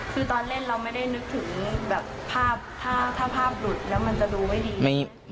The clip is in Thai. คือตอนเล่นเราไม่ได้นึกถึงแบบภาพถ้าภาพหลุดแล้วมันจะดูไม่ดี